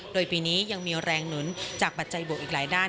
โดยปีนี้ยังมีแรงหนุนจากปัจจัยบวกอีกหลายด้าน